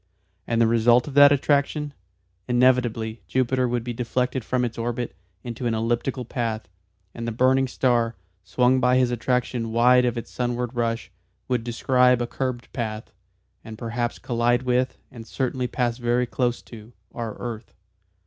And the result of that attraction? Inevitably Jupiter would be deflected from its orbit into an elliptical path, and the burning star, swung by his attraction wide of its sunward rush, would "describe a curved path" and perhaps collide with, and certainly pass very close to, our earth.